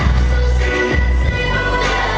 สวัสดีครับ